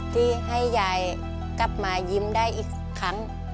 ที่ให้ยายกลับมายิ้มได้อีกครั้ง